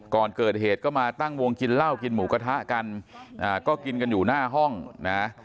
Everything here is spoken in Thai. ก่อนเกิดเหตุก็มาตั้งวงกินเหล้ากินหมูกระทะกันก็กินกันอยู่หน้าห้องนะ